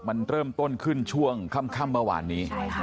มันที่เราเป็นต้นขึ้นช่วงค่ำเมื่อวานนี้